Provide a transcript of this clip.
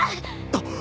あっ！